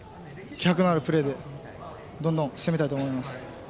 気迫のあるプレーでどんどん攻めたいと思います。